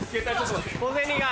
小銭が。